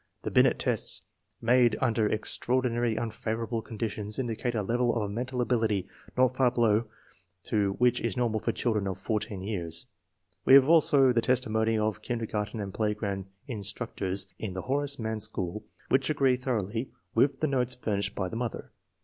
The Binet test, made under extraordinarily unfavorable conditions, indicates a level of mental ability not far below that which is normal for children of 14 years. We have also the testimony of the kinder garten and playground instructors in the Horace Mann school, which agreed thoroughly with the notes FORTY ONE SDPEBIOR CHILDEEN 259 furnished by the mother.